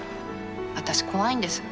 私怖いんです。